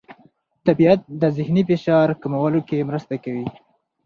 طبیعت د ذهني فشار کمولو کې مرسته کوي.